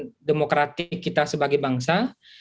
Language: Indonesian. komitmen demokratik kita sebagai bangsa